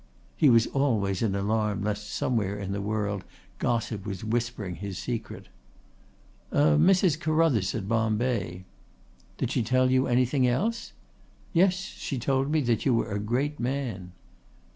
He was always in alarm lest somewhere in the world gossip was whispering his secret. "A Mrs. Carruthers at Bombay." "Did she tell you anything else?" "Yes. She told me that you were a great man."